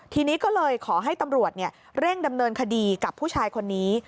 ทีนี้ก็เลยขอให้ตำรวจเร่งดำเนินคดีกับผู้ชายคนนี้